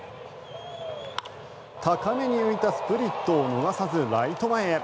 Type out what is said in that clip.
高めに浮いたスプリットを逃さずライト前へ。